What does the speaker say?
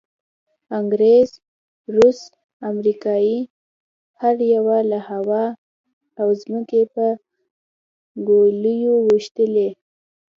انګریز، روس، امریکې هر یوه له هوا او ځمکې په ګولیو وویشتلو.